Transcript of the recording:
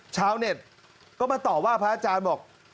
ชาวเน็ตก็มาต่อว่าพระอาจารย์บอก